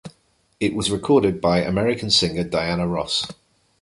It was recorded by American singer Diana Ross.